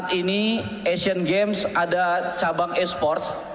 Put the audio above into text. saat ini asian games ada cabang e sports